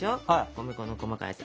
米粉の細かいやつ。